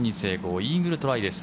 イーグルトライでした。